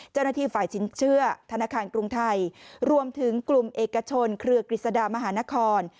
เจ้าหน้าที่ฝ่ายสินเชื่อธนาคารกรุงไทยรวมถึงกลุ่มเอกชนเครือกฤษฎามหานคร